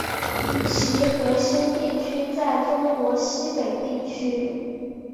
其核心地区在中国西北地区。